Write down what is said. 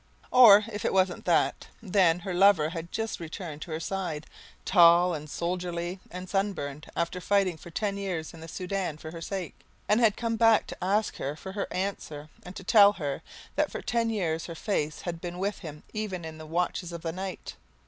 Or, if it wasn't that, then her lover had just returned to her side, tall and soldierly and sunburned, after fighting for ten years in the Soudan for her sake, and had come back to ask her for her answer and to tell her that for ten years her face had been with him even in the watches of the night.